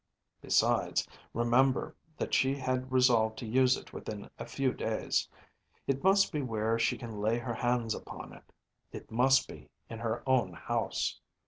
Besides, remember that she had resolved to use it within a few days. It must be where she can lay her hands upon it. It must be in her own house.